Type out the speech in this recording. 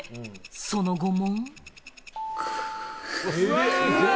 その後も。